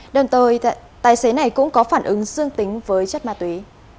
đồng thời tài xế này cũng có phản ứng dương tính với chất ma túy